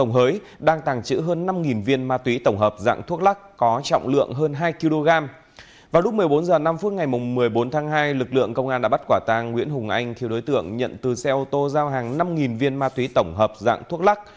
hôm nay lực lượng công an đã bắt quả tàng nguyễn hùng anh khi đối tượng nhận từ xe ô tô giao hàng năm viên ma túy tổng hợp dạng thuốc lắc